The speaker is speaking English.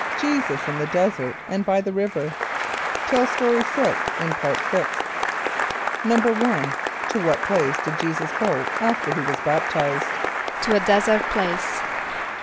Jesus in the Desert and by the River. (Tell Story 6 in Part Sixth.) =1.= To what place did J[=e]´[s+]us go after he was baptized? =To a desert place.